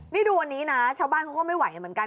นี่ดูวันนี้นะชาวบ้านเขาก็ไม่ไหวเหมือนกัน